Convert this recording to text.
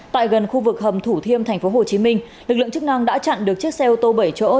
tại gần khu vực hầm thủ thiêm tp hcm lực lượng chức năng đã chặn được chiếc xe ô tô bảy chỗ